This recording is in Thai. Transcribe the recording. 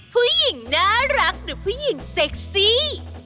ผู้หญิงน่ารักหรือผู้หญิงเซ็กซี่